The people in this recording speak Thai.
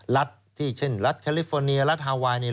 รัฐที่เช่นรัฐแคลิฟอร์เนียรัฐฮาไวน์